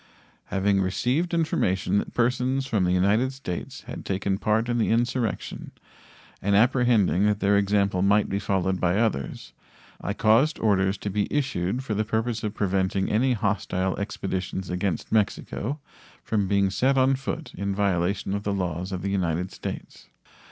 Having received information that persons from the United States had taken part in the insurrection, and apprehending that their example might be followed by others, I caused orders to be issued for the purpose of preventing any hostile expeditions against Mexico from being set on foot in violation of the laws of the United States.